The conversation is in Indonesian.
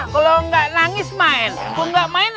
kalau gak nangis main